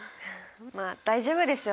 まあ大丈夫ですよ。